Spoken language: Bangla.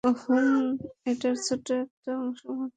হুম, এটার ছোট্ট একটা অংশ মাত্র।